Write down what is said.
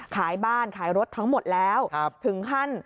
ขายบ้านขายรถทั้งหมดแล้วถึงขั้น